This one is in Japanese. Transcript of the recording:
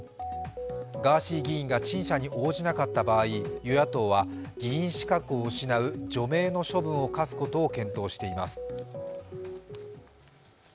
ガーシー議員が陳謝に応じなかった場合、与野党は議員資格を失う除名の処分を科すことを検討しています。